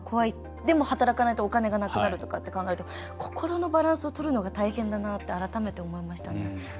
でも、働かないとお金がなくなるとかって考えると心のバランスをとるのが大変だなって改めて思いましたね。